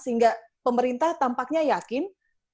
sehingga pemerintah tampaknya yakin